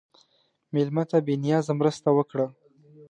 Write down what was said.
مېلمه ته بې نیازه مرسته وکړه.